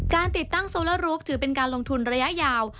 ติดตั้งโซลารูปถือเป็นการลงทุนระยะยาว